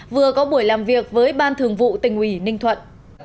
vừa có buổi làm việc với ban thường vụ tỉnh ủy ninh thuận